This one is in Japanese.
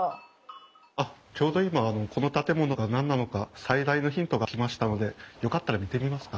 あっちょうど今この建物が何なのか最大のヒントが来ましたのでよかったら見てみますか？